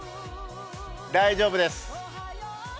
大丈夫です。